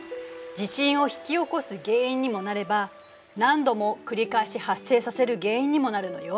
地震を引き起こす原因にもなれば何度も繰り返し発生させる原因にもなるのよ。